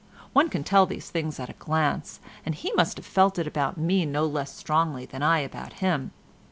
One can tell these things at a glance, and he must have felt it about me no less strongly than I about him.